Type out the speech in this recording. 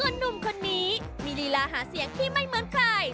หนุ่มคนนี้มีลีลาหาเสียงที่ไม่เหมือนใคร